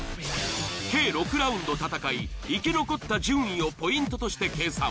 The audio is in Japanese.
計６ラウンド戦い生き残った順位をポイントとして計算。